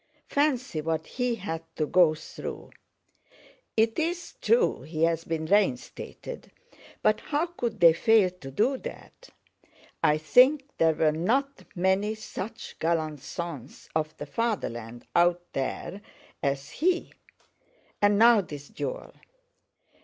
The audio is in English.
Fancy what he had to go through! It's true he has been reinstated, but how could they fail to do that? I think there were not many such gallant sons of the fatherland out there as he. And now—this duel!